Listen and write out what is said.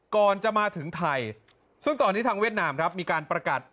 ก่อนจะมาถึงไทยซึ่งตอนนี้ทางเวียดนามครับมีการประกาศ